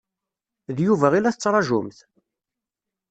D Yuba i la tettṛaǧumt?